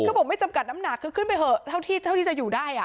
จนนี่ผมไม่จำกัดน้ำหนักเคลือขึ้นไปเถอะเท่าที่จะอยู่ได้อ่ะ